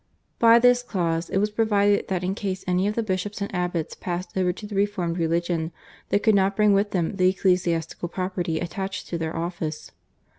By this clause it was provided that in case any of the bishops and abbots passed over to the reformed religion they could not bring with them the ecclesiastical property attached to their office.